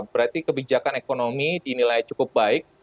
berarti kebijakan ekonomi dinilai cukup baik